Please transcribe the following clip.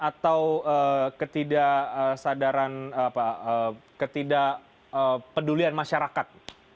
atau ketidak pedulian masyarakat